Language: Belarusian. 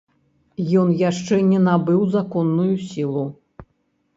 Ён яшчэ не набыў законную сілу.